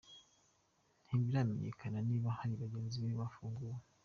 Ntibiramenyekana niba na bagenzi be bafunguwe.